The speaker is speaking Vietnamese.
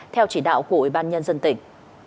theo chỉ đạo của ủy ban nhân dân tỉnh